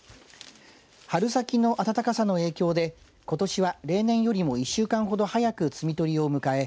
春先の暖かさの影響でことしは例年よりも１週間ほど早く摘み取りを迎え